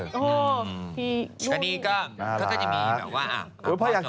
อันนี้ก็จะมีแบบว่า